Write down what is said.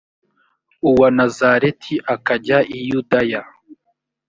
uwa nazareti akajya i yudaya